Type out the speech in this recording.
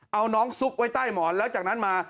เอาน้องซุกไว้ใต้หมอนแล้วจากนั้นมา